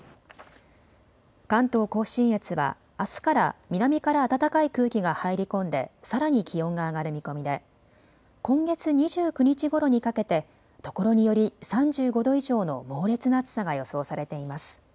関東甲信越はあすから南から暖かい空気が入り込んでさらに気温が上がる見込みで今月２９日ごろにかけてところにより３５度以上の猛烈な暑さが予想されています。